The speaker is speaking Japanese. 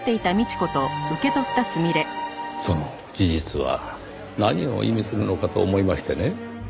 その事実は何を意味するのかと思いましてね。